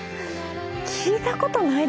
聞いたことないですよ